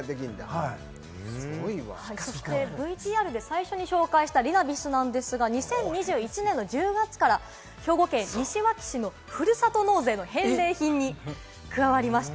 何月何日の何時など、宅配便ＶＴＲで最初にご紹介したリナビスなんですが、２０２１年の１０月から兵庫県西脇市のふるさと納税の返礼品に加わりました。